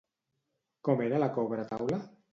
Com era la cobretaula?